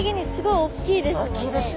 おっきいですね。